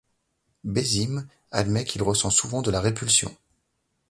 Beyzym admet qu’il ressent souvent de la répulsion.